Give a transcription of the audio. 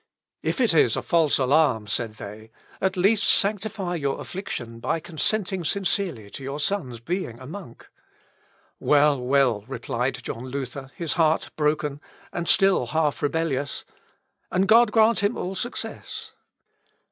"If it is a false alarm," said they, "at least sanctify your affliction by consenting sincerely to your son's being a monk." "Well, well!" replied John Luther, his heart broken, and still half rebellions; "and God grant him all success."